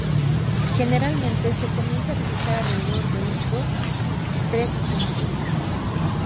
Generalmente se comienzan a realizar alrededor de los dos, tres años de vida.